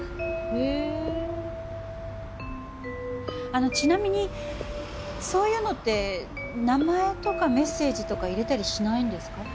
あのちなみにそういうのって名前とかメッセージとか入れたりしないんですか？